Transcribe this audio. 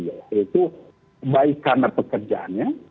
yaitu baik karena pekerjaannya